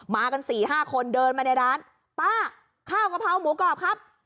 กันสี่ห้าคนเดินมาในร้านป้าข้าวกะเพราหมูกรอบครับ